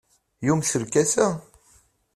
Yumes lkas-a?